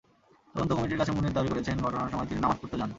তদন্ত কমিটির কাছে মুনির দাবি করেছেন, ঘটনার সময় তিনি নামাজ পড়তে যান।